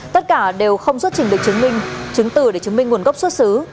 tất cả đều không xuất trình được chứng minh chứng từ để chứng minh nguồn gốc xuất xứ